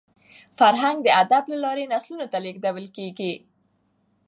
فرهنګ د ادب له لاري نسلونو ته لېږدېږي.